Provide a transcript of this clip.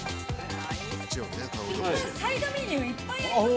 ◆サイドメニューいっぱいありますね。